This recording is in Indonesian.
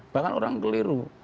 bahkan orang keliru